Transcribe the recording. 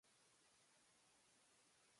カレンダー